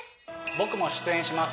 僕も出演します